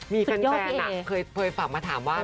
มีแฟนเคยฝากมาถามว่า